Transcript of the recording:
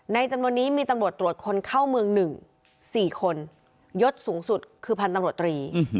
จำนวนนี้มีตำรวจตรวจคนเข้าเมือง๑๔คนยดสูงสุดคือพันธุ์ตำรวจตรี